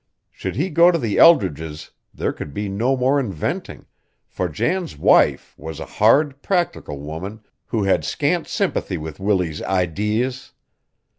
Should he go to the Eldridges there could be no more inventing, for Jan's wife was a hard, practical woman who had scant sympathy with Willie's "idees."